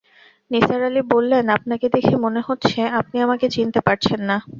নিসার আলি বললেন, আপনাকে দেখে মনে হচ্ছে আপনি আমাকে চিনতে পারছেন না।